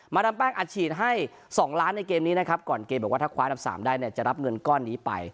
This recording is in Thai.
ดามแป้งอัดฉีดให้๒ล้านในเกมนี้นะครับก่อนเกมบอกว่าถ้าคว้าอันดับ๓ได้เนี่ยจะรับเงินก้อนนี้ไป